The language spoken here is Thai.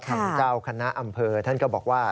ทางเจ้าคณะอำเภอท่านก็บอกว่า